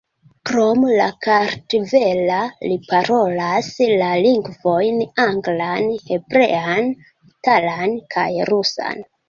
Krom la kartvela, li parolas la lingvojn anglan, hebrean, italan kaj rusan.